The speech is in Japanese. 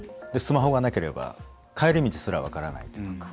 スマホがなければ帰り道すら分からない。